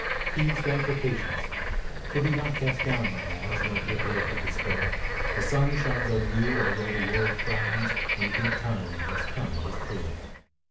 =P= stands for Patience, so be not cast down, My lads, nor give way to despair; The sun shines on you, although the world frowns, And good times must come it is clear.